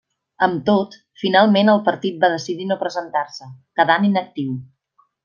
Amb tot, finalment el partit va decidir no presentar-se, quedant inactiu.